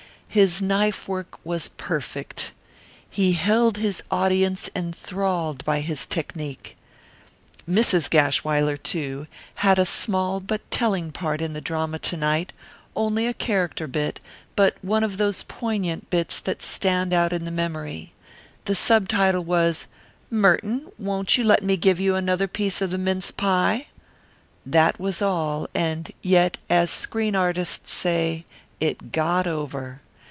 His knife work was perfect. He held his audience enthralled by his technique. Mrs. Gashwiler, too, had a small but telling part in the drama to night; only a character bit, but one of those poignant bits that stand out in the memory. The subtitle was, "Merton, won't you let me give you another piece of the mince pie?" That was all, and yet, as screen artists say, it got over.